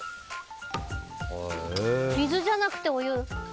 水じゃなくて、お湯？